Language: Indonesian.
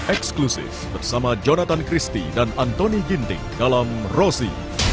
eksklusif bersama jonathan christie dan antoni ginting dalam rosi